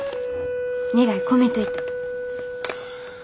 願い込めといた。